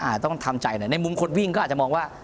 ต้องทำใจหน่อยในมุมคนวิ่งก็อาจจะมองว่า